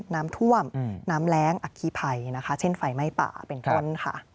น้ำท่วมน้ำแรงอัคคีภัยนะคะเช่นไฟไหม้ป่าเป็นต้นค่ะ